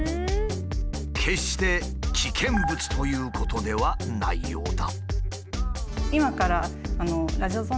決して危険物ということではないようだ。